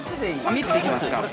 ◆３つ行きますか？